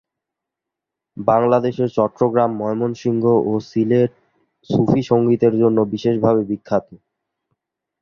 বাংলাদেশের চট্টগ্রাম, ময়মনসিংহ, ও সিলেট সুফি সঙ্গীতের জন্য বিশেষভাবে বিখ্যাত।